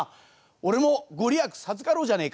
俺も御利益授かろうじゃねえか」